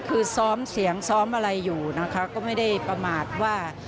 คือซ้อมเสียงซ้อมอะไรอยู่นะคะก็ไม่ได้ประมาทว่า